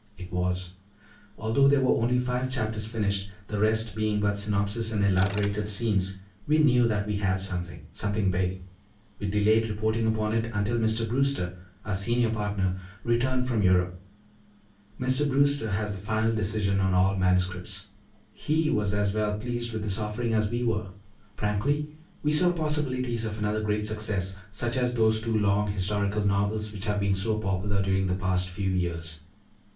It was. "Although there were only five chapters finished, the rest being but synopsis and elaborated scenes, we knew that we had something something big. We delayed reporting upon it until Mr. Brewster our senior partner returned from Europe. Mr. Brewster has the final decision on all manuscripts; he was as well pleased with this offering as we were. Frankly, we saw possibilities of another great success such as those two long historical novels which have been so popular during the past few years.